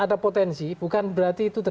kalau orang mengajar ask kitchen